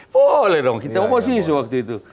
boleh dong kita oposisi waktu itu